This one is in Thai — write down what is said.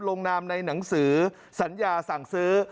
ลงนามในหนังสือสัญญาสั่งซื้อ